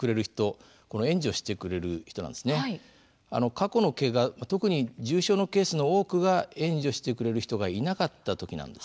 過去のけが特に重傷のケースの多くが援助してくれる人がいなかった時なんですね。